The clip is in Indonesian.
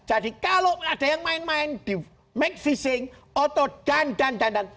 jadi kalau ada yang main main di make fishing otot dan dan dan dan